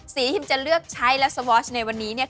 สีที่พีมจะเลือกใช้แล้วสวอชในวันนี้เนี่ย